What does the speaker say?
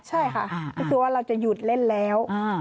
ใช่ค่ะก็คือว่าเราจะหยุดเล่นแล้ว